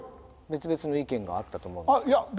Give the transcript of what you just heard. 別々の意見があったと思うんですが。